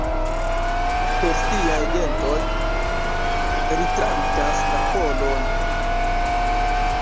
Per siaj dentoj, ri tranĉas la kolon.